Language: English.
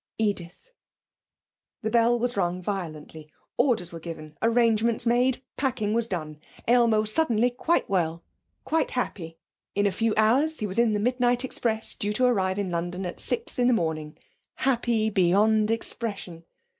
Edith.' The bell was rung violently. Orders were given, arrangements made, packing was done. Aylmer was suddenly quite well, quite happy. In a few hours he was in the midnight express due to arrive in London at six in the morning happy beyond expression.